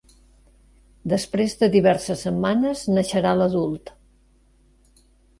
Després de diverses setmanes naixerà l'adult.